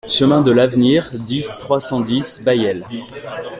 Chemin de l'Avenir, dix, trois cent dix Bayel